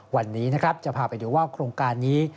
วันนี้จะพาไปดูว่าโครงการนี้